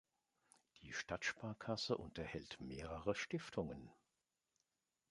Die Stadtsparkasse unterhält mehrere Stiftungen.